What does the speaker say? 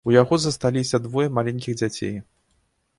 У яго засталіся двое маленькіх дзяцей.